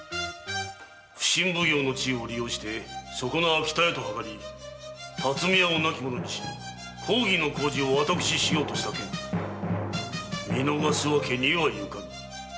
普請奉行の地位を利用してそこな秋田屋と謀り巽屋を亡き者にし公儀の工事を私しようとした件見逃すわけにはゆかぬ。